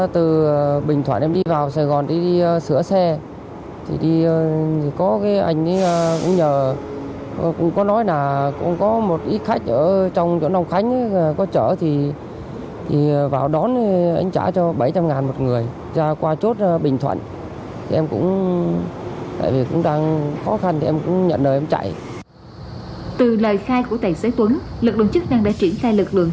từ lời khai của tài xế tuấn lực lượng chức năng đã triển khai lực lượng